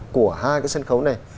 của hai cái sân khấu này